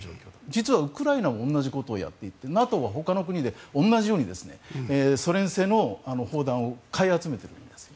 実はウクライナも同じことをやっていてＮＡＴＯは同じようにソ連製の砲弾を買い集めてるんです。